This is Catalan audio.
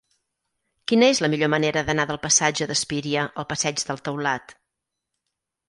Quina és la millor manera d'anar del passatge d'Espíria al passeig del Taulat?